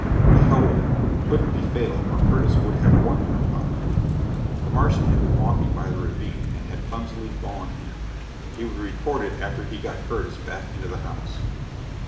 The hell with it couldn't be fatal or Curtis would have warned them about it. The Martian had been walking by the ravine and had clumsily fallen in. He would report it after he had got Curtis back into the house.